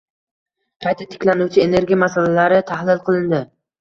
Qayta tiklanuvchi energiya masalalari tahlil qilindi